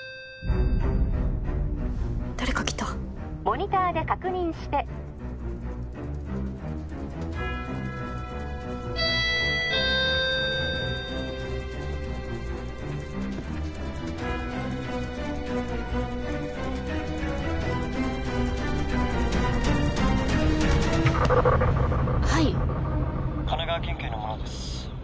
誰か来た☎モニターで確認してはい神奈川県警の者です